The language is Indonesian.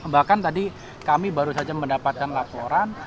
bahkan tadi kami baru saja mendapatkan laporan